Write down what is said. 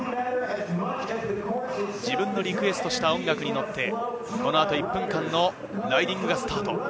自分のリクエストした音楽にのってこの後、１分間のライディングがスタート。